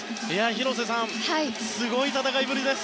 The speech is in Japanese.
広瀬さん、すごい戦いぶりです。